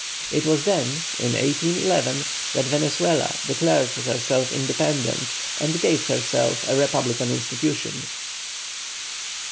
It was then (1811) that Venezuela declared herself independent, and gave herself a republican constitution.